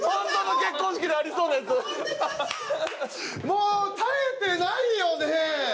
もう耐えてないよね？